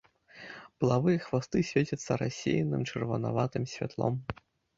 Пылавыя хвасты свецяцца рассеяным чырванаватым святлом.